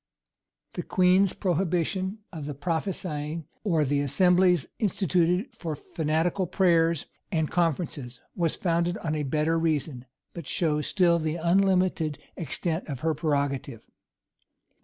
The queen's prohibition of the "prophesyings," or the assemblies instituted for fanatical prayers and conferences, was founded on a better reason, but shows still the unlimited extent of her prerogative.